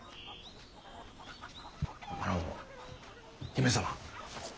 あの姫様。